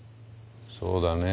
そうだね。